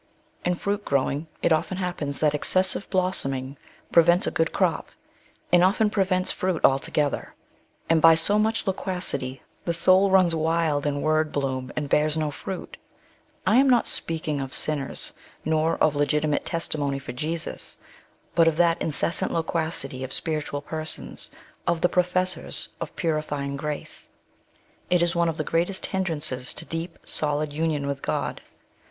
In fruit growing, it often happens that excessive blossoming prevents a good crop, and often prevents fruit altogether ; and by so much loquacity the soul runs wild in word bloom, and bears no fruit. I am not speaking of sinners, nor of legitimate testimony for Jesus, but of that incessant loquacit}" of spiritual persons, of the professors of pu rifying grace. It is one of the greatest hindrances to deep, solid union with God.